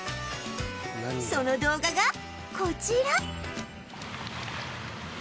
その動画がこちら